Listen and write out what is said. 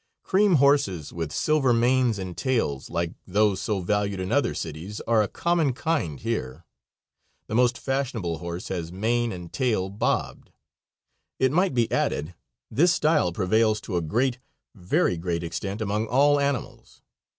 Cream horses, with silver manes and tails, like those so valued in other cities, are a common kind here. The most fashionable horse has mane and tail "bobbed." It might be added this style prevails to a great, very great extent among all animals.